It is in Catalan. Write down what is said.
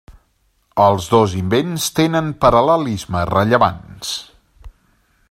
Els dos invents tenen paral·lelismes rellevants.